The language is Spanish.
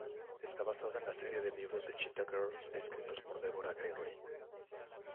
Está basada en la serie de libros The Cheetah Girls escritos por Deborah Gregory.